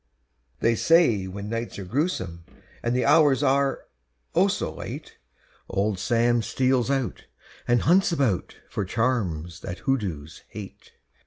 _ They say when nights are grewsome And hours are, oh! so late, Old Sam steals out And hunts about For charms that hoodoos hate!